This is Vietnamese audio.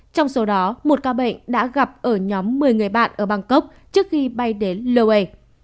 trong số đó một ca bệnh đã gặp ở nhóm một mươi người bạn ở bangkok trước khi bay đến loay